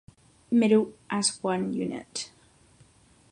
Meru as one unit.